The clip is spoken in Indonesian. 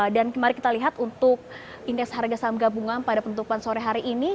dan mari kita lihat untuk indeks harga saham gabungan pada penutupan sore hari ini